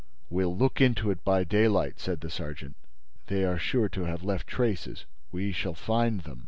"We'll look into it by daylight," said the sergeant. "They are sure to have left traces: we shall find them."